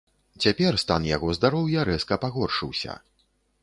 Цяпер стан яго здароўя рэзка пагоршыўся.